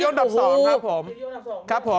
จิตกรรมจิตกรรมจิตกรรมเลยครับผม